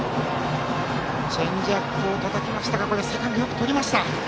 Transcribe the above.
チェンジアップをたたきましたがセカンドよくとりました。